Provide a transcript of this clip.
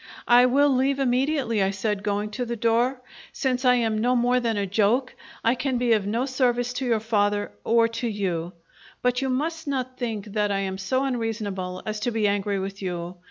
"I will leave immediately," I said, going to the door. "Since I am no more than a joke, I can be of no service to your father or to you; but you must not think that I am so unreasonable as to be angry with you.